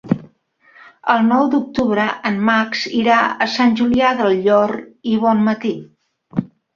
El nou d'octubre en Max irà a Sant Julià del Llor i Bonmatí.